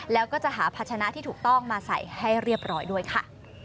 แล้วก็จะหาพัชนะที่ถูกต้องมาใส่ให้เรียบร้อยด้วยค่ะ